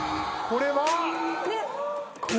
これは。